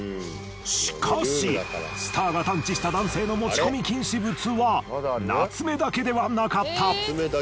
しかしスターが探知した男性の持ち込み禁止物はナツメだけではなかった。